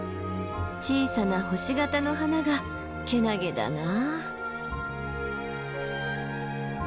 小さな星形の花がけなげだな。